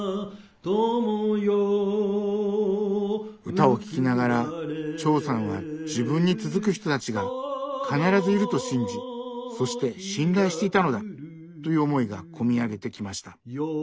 歌を聴きながら「長さんは『自分に続く人たち』が必ずいると信じそして信頼していたのだ」という思いが込み上げてきました。